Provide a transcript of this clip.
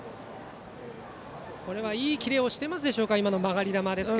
これはいいキレをしていますか曲がり球。